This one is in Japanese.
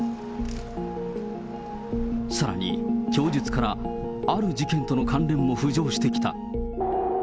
さらに、供述から、ある事件との関連も浮上してきた。